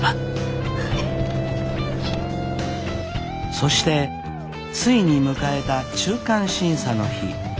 そしてついに迎えた中間審査の日。